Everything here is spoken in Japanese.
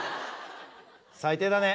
最低だね。